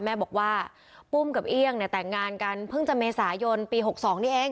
แม่บอกว่าปุ้มกับเอี่ยงเนี่ยแต่งงานกันเพิ่งจะเมษายนปี๖๒นี่เอง